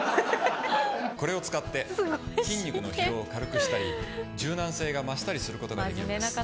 これを使って筋肉の疲労を軽くしたり柔軟性が増したりする事ができるんです。